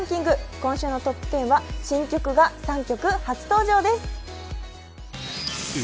今週のトップ１０は新曲が３曲初登場です。